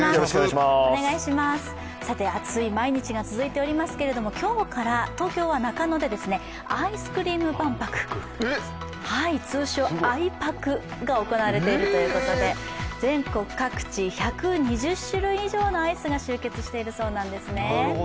暑い毎日が続いておりますけれども今日から東京は中野でアイスクリーム万博、通称・アイ博が行われているということで全国各地１２０種類以上のアイスが集結しているそうなんですね。